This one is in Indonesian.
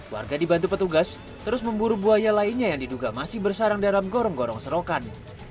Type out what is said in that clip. warga dibantu petugas terus memburu buaya lainnya yang diduga masih bersarang dalam gorong gorong serokan